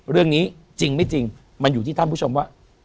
เรื่องนี้จริงไม่จริงมันอยู่ที่ท่านผู้ชมว่า